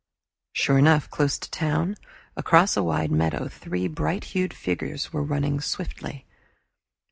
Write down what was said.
Sure enough, close to the town, across a wide meadow, three bright hued figures were running swiftly.